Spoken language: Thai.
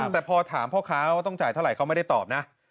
แต่พอถามพ่อค้าว่าต้องจ่ายเท่าไหร่เขาไม่ได้ตอบนะ